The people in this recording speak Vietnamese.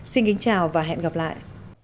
xin kính chào và hẹn gặp lại